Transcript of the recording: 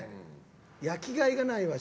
焼きがいがないわシェフ。